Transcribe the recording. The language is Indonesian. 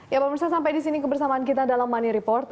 ya pak mirsa sampai di sini kebersamaan kita dalam money report